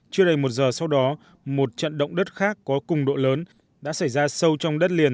chưa đầy một giờ sau đó một trận động đất khác có cùng độ lớn đã xảy ra sâu trong đất liền